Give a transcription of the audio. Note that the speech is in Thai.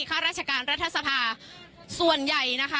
ข้าราชการรัฐสภาส่วนใหญ่นะคะ